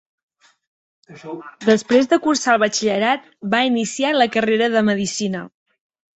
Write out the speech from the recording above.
Després de cursar el batxillerat, va iniciar la carrera de Medicina.